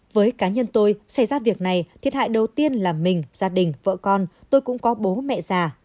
với cá nhân tôi xảy ra việc này thiệt hại đầu tiên là mình gia đình vợ con tôi cũng có bố mẹ già